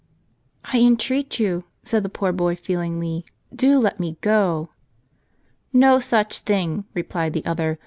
" I entreat you," said the poor boy feelingly, " do let me go." "No such thing," replied the other.